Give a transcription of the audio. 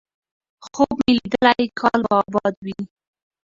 خوب مې ليدلی کال به اباد وي،